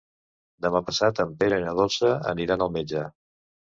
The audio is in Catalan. Demà passat en Pere i na Dolça aniran al metge.